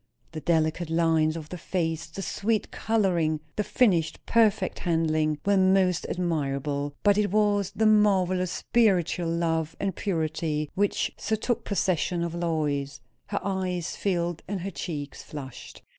The delicate lines of the face, the sweet colouring, the finished, perfect handling, were most admirable; but it was the marvellous spiritual love and purity which so took possession of Lois. Her eyes filled and her cheeks flushed.